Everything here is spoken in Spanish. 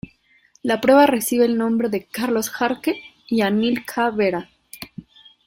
La prueba recibe el nombre de Carlos Jarque y Anil K. Bera.